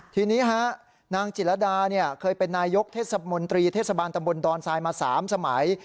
ทีนี้ฮะนางจิตรดาเคยเป็นนายกเทศมนตรีเทศบาลตำบลดอนทรายมา๓สมัย